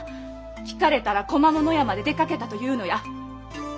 聞かれたら「小間物屋まで出かけた」と言うのや。